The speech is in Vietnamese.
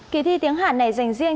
kỳ thi tiếng hàn này dành riêng